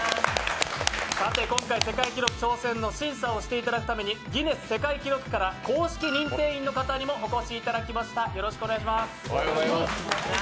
さて今回世界記録挑戦の審査をしていただくためにギネス世界記録から公式認定員の方にもお越しいただきました。